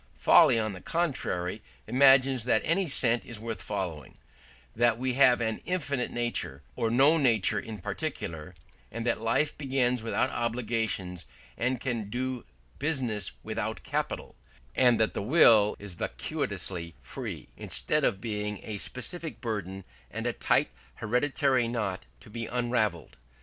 Folly on the contrary imagines that any scent is worth following, that we have an infinite nature, or no nature in particular, that life begins without obligations and can do business without capital, and that the will is vacuously free, instead of being a specific burden and a tight hereditary knot to be unravelled.